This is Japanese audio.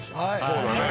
そうだね。